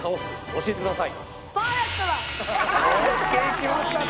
教えてください。